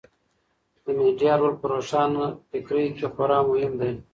د میډیا رول په روښانفکرۍ کې خورا مهم دی.